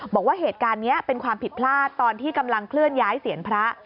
บอกว่าเหตุการณ์นี้เป็นความผิดพลาดตอนที่กำลังเคลื่อนย้ายเสียนพระ